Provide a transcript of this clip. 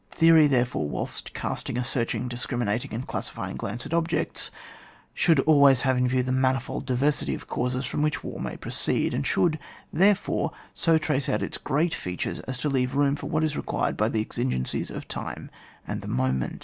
Theory, therefore, whilst casting a searching, discriminating and classifying glance at objects, should al ways have in view the manifold diversity of causes from which war may proceed, and should, therefore, so trace out its great features as to leave room for what is required by the exigencies of time and the moment.